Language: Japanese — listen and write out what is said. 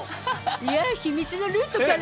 いや秘密のルートから。